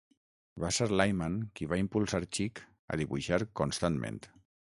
Va ser Lyman qui va impulsar Chic a dibuixar constantment.